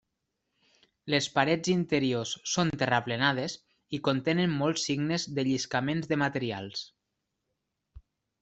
Les parets interiors són terraplenades i contenen molts signes de lliscaments de materials.